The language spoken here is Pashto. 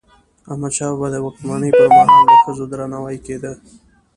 د احمدشاه بابا د واکمني پر مهال د ښځو درناوی کيده.